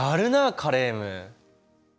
カレーム。